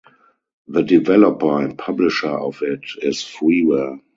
The developer and publisher of it is freeware.